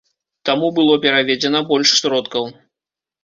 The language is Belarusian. Таму было пераведзена больш сродкаў.